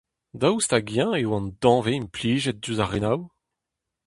Daoust hag-eñ eo an danvez implijet diouzh ar reolennoù ?